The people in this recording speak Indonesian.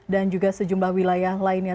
dan juga sejumlah wilayah lainnya